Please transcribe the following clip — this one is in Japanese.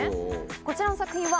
こちらの作品は。